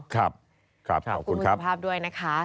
ขอบคุณคุณสุภาพด้วยนะคะ